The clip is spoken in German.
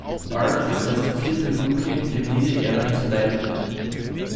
Ward ist erst der vierte Rookie, dem diese Ehre zuteilwurde.